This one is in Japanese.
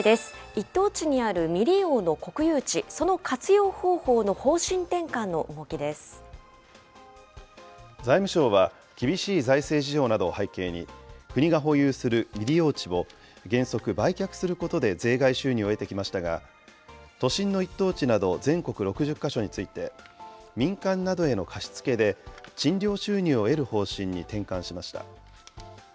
一等地にある未利用の国有地、そ財務省は、厳しい財政事情などを背景に、国が保有する未利用地を原則売却することで税外収入を得てきましたが、都心の一等地など全国６０か所について、民間などへの貸し付けで賃料収入を得る方針に転換しました。